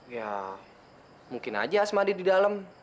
ya mungkin aja asmadi di dalam